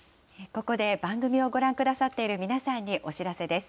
ここで番組をご覧くださっている皆さんにお知らせです。